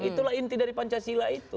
itulah inti dari pancasila itu